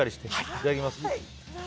いただきます。